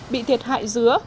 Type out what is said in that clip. bị thiệt hại dứa